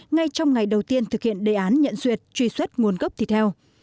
ngay trong ngày đầu tiên thực hiện đề án nhận duyệt truy xuất nguồn gốc thịt heo